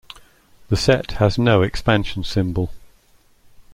The set has no expansion symbol.